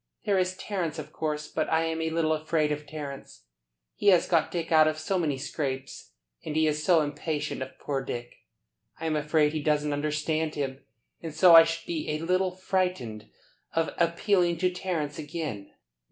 There is Terence, of course. But I am a little afraid of Terence. He has got Dick out of so many scrapes, and he is so impatient of poor Dick. I am afraid he doesn't understand him, and so I should be a little frightened of appealing to Terence again."